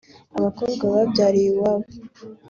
Aba bakobwa babyariye iwabo